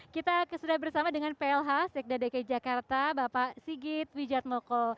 kita sudah bersama dengan plh sekdadakai jakarta bapak sigit wijadmoko